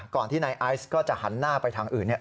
ที่นายไอซ์ก็จะหันหน้าไปทางอื่น